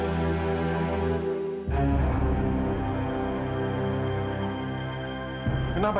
kamilah nggak jahat